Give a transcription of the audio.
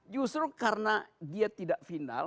justru karena dia tidak final